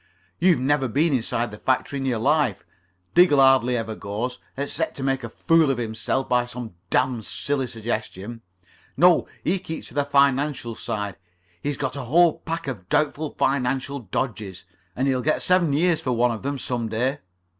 You've never been inside the factory in your life. Diggle hardly ever goes, except to make a fool of himself by some damn silly suggestion. No, he keeps to the financial side. He's got a whole pack of doubtful financial dodges, and he'll get seven years for one of them some day.